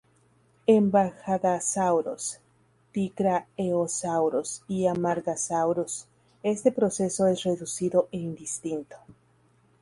En "Bajadasaurus","Dicraeosaurus" y "Amargasaurus", este proceso es reducido e indistinto.